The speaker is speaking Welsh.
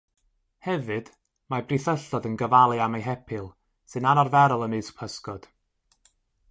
Hefyd, mae brithyllod yn gofalu am eu hepil, sy'n anarferol ymysg pysgod.